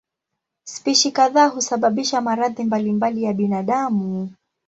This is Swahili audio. Spishi kadhaa husababisha maradhi mbalimbali ya binadamu.